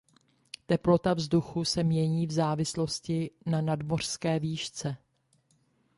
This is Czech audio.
Teplota vzduchu se mění v závislosti na nadmořské výšce.